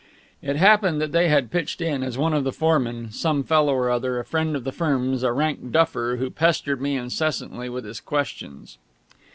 It happened that they had pitched in as one of the foremen some fellow or other, a friend of the firm's, a rank duffer, who pestered me incessantly with his questions.